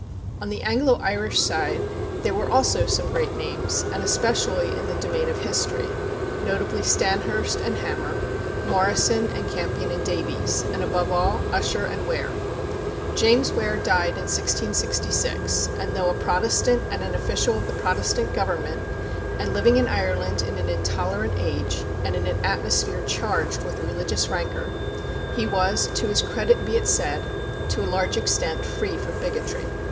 On the Anglo Irish side there were also some great names, and especially in the domain of history, notably Stanyhurst and Hammer, Moryson and Campion and Davies, and, above all, Ussher and Ware. James Ware died in 1666, and though a Protestant and an official of the Protestant government, and living in Ireland in an intolerant age and in an atmosphere charged with religious rancor, he was, to his credit be it said, to a large extent free from bigotry.